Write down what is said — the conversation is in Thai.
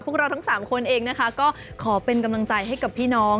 พวกเราทั้ง๓คนเองนะคะก็ขอเป็นกำลังใจให้กับพี่น้อง